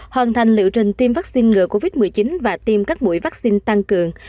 hoàn thành liệu trình tiêm vaccine ngừa covid một mươi chín và tiêm các mũi vaccine tăng cường